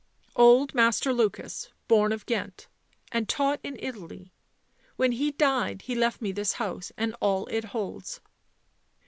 " Old Master Lukas, born of Ghent, and taught in Italy. When he died he left me this house and all it holds."